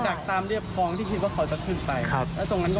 ถ้าเขามีอาวุธเขาต้องหยิบออกมาจากตอนนั้นแล้ว